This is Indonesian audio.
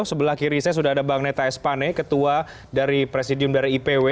sebelah kiri saya sudah ada bang neta espane ketua dari presidium dari ipw